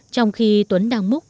trong khi tuấn đang múc